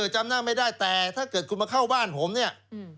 จำหน้าไม่ได้แต่ถ้าเกิดคุณมาเข้าบ้านผมเนี่ย